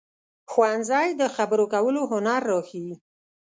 ښوونځی د خبرو کولو هنر راښيي